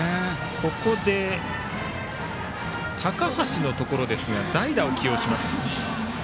ここで高橋のところ代打を起用します。